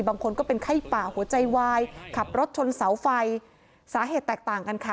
บางคนก็เป็นไข้ป่าหัวใจวายขับรถชนเสาไฟสาเหตุแตกต่างกันค่ะ